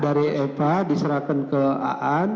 dari eva diserahkan ke aan